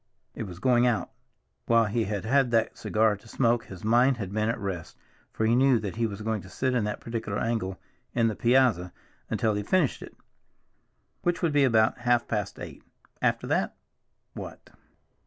It was going out. While he had had that cigar to smoke his mind had been at rest, for he knew that he was going to sit in that particular angle in the piazza until he finished it, which would be about half past eight. After that—what?